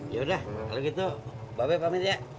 yaudah kalau gitu mbak be pamit ya